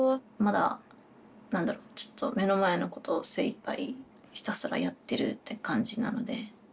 ちょっと目の前のことを精いっぱいひたすらやってるって感じなので。